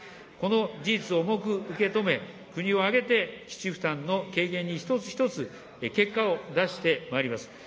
この事実を重く受け止め、国を挙げて基地負担の軽減に一つ一つ結果を出してまいります。